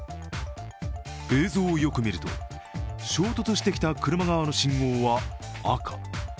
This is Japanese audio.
映像をよく見ると衝突してきた車側の信号は赤。